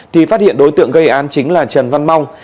thì phát hiện đối tượng gây án chính là trần văn mong